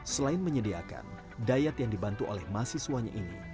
selain menyediakan dayat yang dibantu oleh mahasiswanya ini